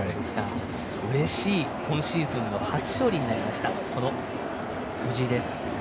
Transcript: うれしい、今シーズンの初勝利になりました、藤井。